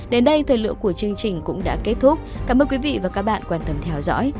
đến đây thời lượng của chương trình cũng đã kết thúc cảm ơn quý vị và các bạn quan tâm theo dõi